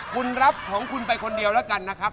คุณรับของคุณไปคนเดียวแล้วกันนะครับ